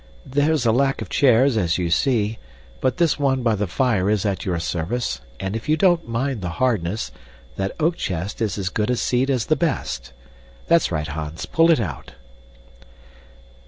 "There's a lack of chairs as you see, but this one by the fire is at your service, and if you don't mind the hardness, that oak chest is as good a seat as the best. That's right, Hans, pull it out."